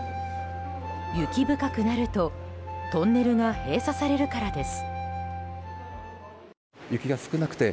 雪深くなるとトンネルが閉鎖されるからです。